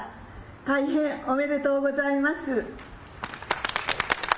大変、おめでとうございます。